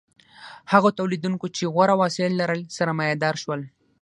هغو تولیدونکو چې غوره وسایل لرل سرمایه دار شول.